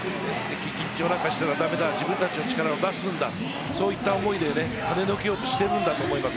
緊張なんかしていたらだめだ自分たちの力を出すんだそういった思いで跳ねのけようとしているんだと思います。